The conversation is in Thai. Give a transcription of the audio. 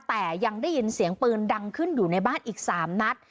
แต่ยังได้ยินเสียงปืนดังขึ้นอยู่ในบ้านอีก๓นัด